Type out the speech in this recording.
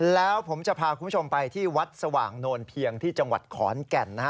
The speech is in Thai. แล้วผมจะพาคุณผู้ชมไปที่วัดสว่างโนนเพียงที่จังหวัดขอนแก่นนะฮะ